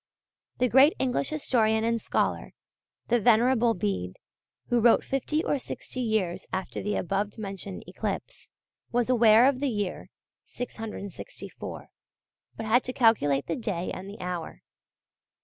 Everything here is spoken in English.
The great English historian and scholar, the Venerable Bede, who wrote fifty or sixty years after the above mentioned eclipse, was aware of the year (664), but had to calculate the day and the hour.